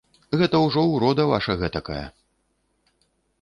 Гэта ўжо ўрода ваша гэтакая.